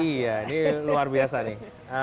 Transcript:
iya ini luar biasa nih